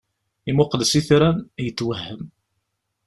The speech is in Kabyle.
Imuqel s itran, yetwehhem.